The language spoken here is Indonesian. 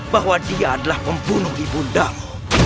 bahwa dia adalah pembunuh ibu ndam